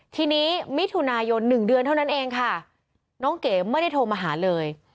ทีนี้มิถุนายน๑เดือนเท่านั้นเองค่ะน้องเก๋ไม่ได้โทรมาหาเลย